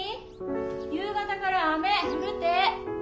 夕方から雨降るて！